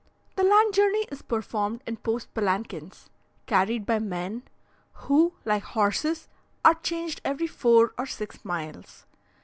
The land journey is performed in post palanquins, carried by men, who, like horses, are changed every four or six miles.